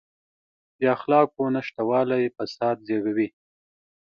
د اخلاقو نشتوالی فساد زېږوي.